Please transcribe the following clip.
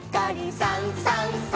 「さんさんさん」